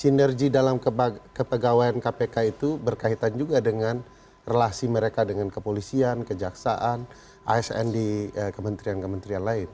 sinergi dalam kepegawaian kpk itu berkaitan juga dengan relasi mereka dengan kepolisian kejaksaan asn di kementerian kementerian lain